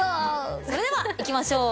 それではいきましょう。